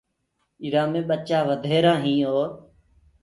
ايٚرآ مي ٻچآ وڌهيرآ هين اور